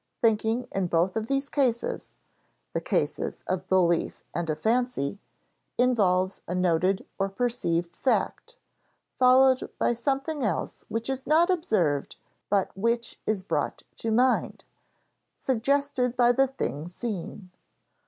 Thinking in both of these cases (the cases of belief and of fancy) involves a noted or perceived fact, followed by something else which is not observed but which is brought to mind, suggested by the thing seen.